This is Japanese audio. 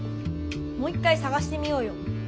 もう一回さがしてみようよ。